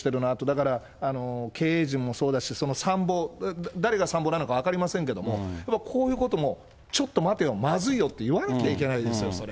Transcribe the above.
だから経営陣もそうだし、その参謀、誰が参謀なのか分かりませんけれども、やっぱりこういうことも、ちょっと待てよ、まずいよって言わなきゃいけないですよ、これ。